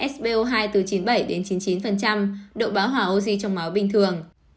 spo hai từ chín mươi bảy đến chín mươi chín độ bão hỏa oxy trong máu bình thường